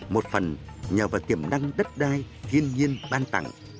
một phần nhờ vào tiềm năng đất đai thiên nhiên ban tặng